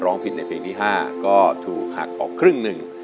ร้องผิดในเพลงที่๕ก็ถูกหักออกครึ่งหนึ่ง